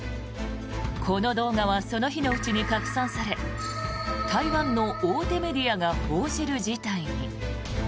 この動画はその日のうちに拡散され台湾の大手メディアが報じる事態に。